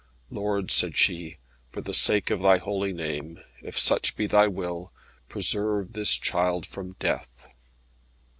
"Lord," said she, "for the sake of Thy Holy Name, if such be Thy will, preserve this child from death."